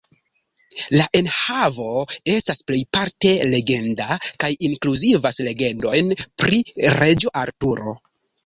La enhavo estas plejparte legenda, kaj inkluzivas legendojn pri Reĝo Arturo.